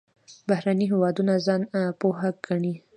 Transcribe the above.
بهرني هېوادونه ځان پوه ګڼي.